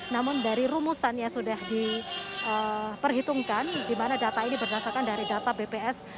namun dari rumusan yang sudah diperhitungkan di mana data ini berdasarkan dari data bps